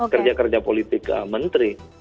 kerja kerja politik menteri